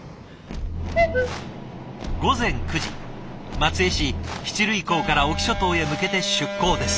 松江市七類港から隠岐諸島へ向けて出港です。